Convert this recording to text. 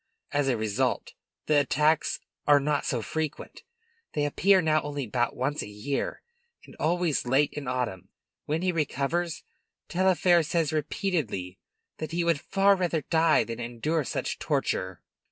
As a result, the attacks are not so frequent; they appear now only about once a year, and always late in the autumn. When he recovers, Taillefer says repeatedly that he would far rather die than endure such torture."